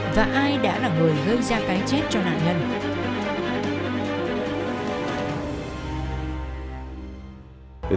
và ai đã là người gây ra cái chết cho nạn nhân